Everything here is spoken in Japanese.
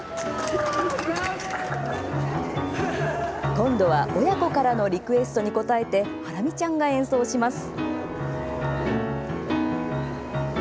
今度は、親子からのリクエストに応えてハラミちゃんが演奏します。